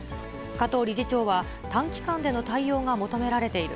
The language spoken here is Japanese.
加藤理事長は、短期間での対応が求められている。